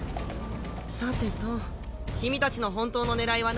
さてと君たちの本当のねらいは何かな？